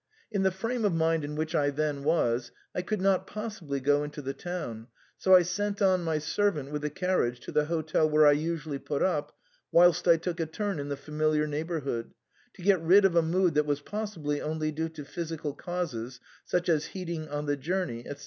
In the frame of mind in which I then was I could not possibly go into the town, so I sent on my servant with the carriage to the hotel where I usually put up, whilst I took a turn in the familiar neighbour hood, to get rid of a mood that was possibly only due to physical causes, sudh as heating on the journey, &c.